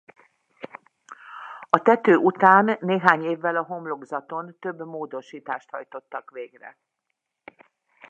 A tető után néhány évvel a homlokzaton több módosítást hajtottak végre.